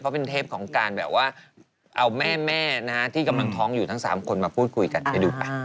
เป็นเทปของการแบบว่าเอาแม่นะฮะที่กำลังท้องอยู่ทั้ง๓คนมาพูดคุยกันไปดูป่ะ